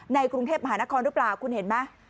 ในกรุงเทพมหานครหรือเปล่าคุณเห็นไหม